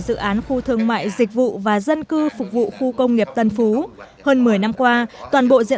dự án khu thương mại dịch vụ và dân cư phục vụ khu công nghiệp tân phú hơn một mươi năm qua toàn bộ diện